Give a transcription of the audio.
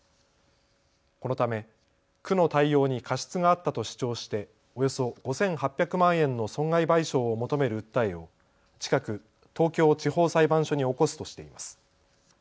このため区の対応に過失があったと主張しておよそ５８００万円の損害賠償を求める訴えを近く東京地方裁判所に起こすとしています。